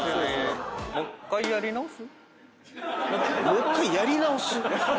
「もう１回やり直す」